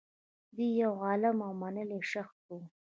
دی یو عالم او منلی شخص و